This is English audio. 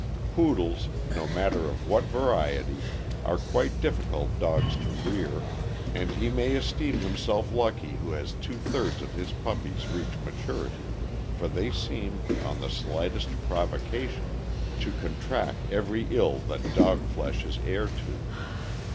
Poodles, no matter of what variety, are quite difficult dogs to rear, and he may esteem himself lucky who has two thirds of his puppies reach maturity, for they seem, on the slightest provocation, to contract every ill that dog flesh is heir to.